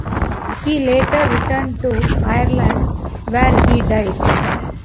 He later returned to Ireland where he died.